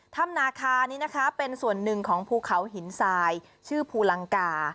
ถ้ำนาคานี้นะคะเป็นส่วนหนึ่งของภูเขาหินทรายชื่อภูลังกา